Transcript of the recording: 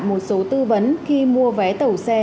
một số tư vấn khi mua vé tàu xe